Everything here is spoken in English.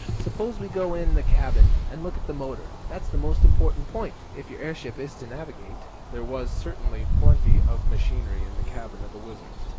Suppose we go in the cabin, and look at the motor. That's the most important point, if your airship is to navigate." There was certainly plenty of machinery in the cabin of the WHIZZER.